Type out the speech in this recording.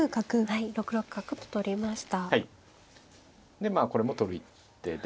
でまあこれも取る一手で。